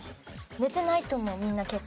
寝てないと思うみんな結構。